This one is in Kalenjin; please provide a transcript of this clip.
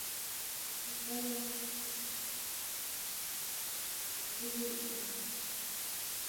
Kikisakan ko kararanit oldo tugul eng' koot ni